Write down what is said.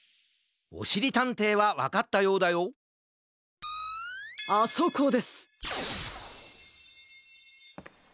おしりたんていはわかったようだよあそこです。